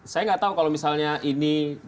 saya nggak tahu kalau misalnya ini